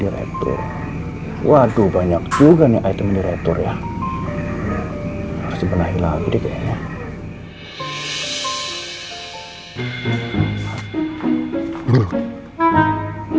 retor waduh banyak juga nih itemnya retor ya sebenarnya lebih banyak hai